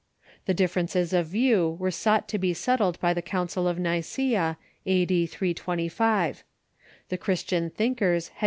The differences of view were sought to be settled by the Council of Xicsea, a. d. 325. The Chris tian thinkers had.